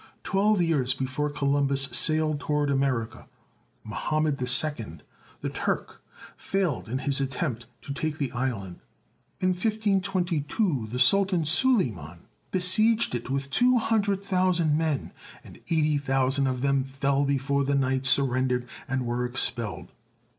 Twelve years before Columbus sailed toward America, Moham med II., the Turk, failed in his attempt to take the island. In 1522 the Sultan Suleiman besieged it with two hundred thousand men, and eighty thousand of them fell before the knights surren dered and were expelled.